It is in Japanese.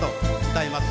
歌います。